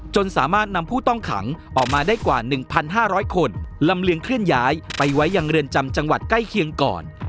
จนสามารถนำผู้ต้องขังออกมาได้กว่า๑๕๐๐คนลำเลียงเคลื่อนย้ายไปไว้ยังเรือนจำจังหวัดใกล้เคียงก่อน